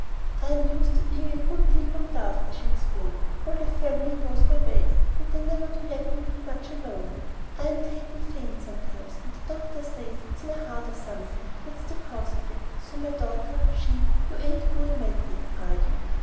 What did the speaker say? "I'm used to being a good deal looked after," she explained. "All the family know my ways, and they never do let me be alone much. I'm taken faint sometimes; and the doctor says it's my heart or something that's the cause of it, so my daughter she You ain't going, my dear, are you?"